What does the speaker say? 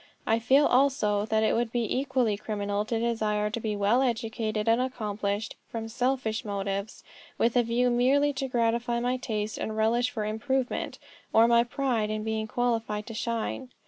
I feel, also, that it would be equally criminal to desire to be well educated and accomplished, from selfish motives, with a view merely to gratify my taste and relish for improvement, or my pride in being qualified to shine.